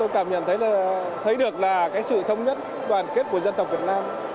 cảm nhận thấy được là sự thông nhất đoàn kết của dân tộc việt nam